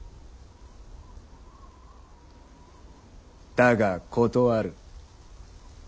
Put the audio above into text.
だが断る。